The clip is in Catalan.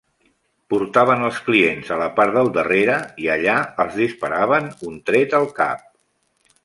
Portaven els clients a la part del darrere i allà els disparaven un tret al cap.